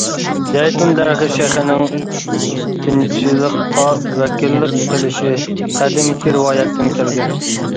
زەيتۇن دەرىخى شېخىنىڭ تىنچلىققا ۋەكىللىك قىلىشى قەدىمكى رىۋايەتتىن كەلگەن.